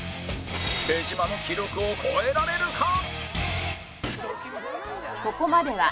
手島の記録を超えられるか？